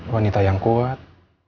wanita yang kuat